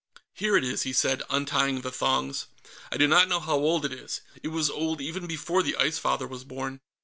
"Here it is," he said, untying the thongs. "I do not know how old it is. It was old even before the Ice Father was born."